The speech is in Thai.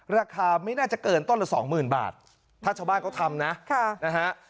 ราคาไม่น่าจะเกินต้นละ๒๐๐๐๐บาทถ้าชาวบ้านเขาทำนะฮะ